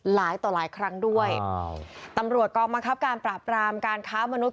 หลายต่อหลายครั้งด้วยอ้าวตำรวจกองบังคับการปราบรามการค้ามนุษย